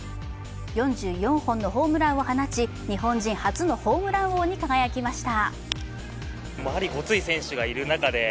４４本のホームランを放ち、日本人初のホームラン王に輝きました。